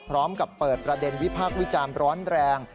พร้อมกับเปิดประเด็นวิพากษ์วิจารณ์ร้อนแรง